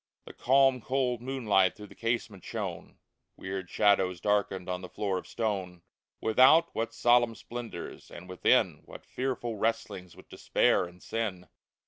The calm, cold moonlight through the casement shone ; Weird shadows darkened on the floor of stone ; Without, what solemn splendors ! and within What fearful wrestlings with despair and sin